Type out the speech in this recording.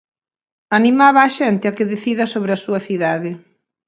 Animaba á xente a que decida sobre a súa cidade.